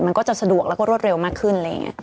มันก็จะสะดวกแล้วก็รวดเร็วมากขึ้น